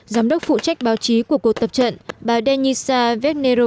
giám đốc phụ trách báo chí của cuộc tập trận